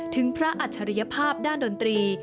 ถึงพระอัจฉริยภาพด้านดนตรี